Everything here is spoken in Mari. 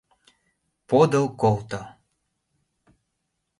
Подыл колто!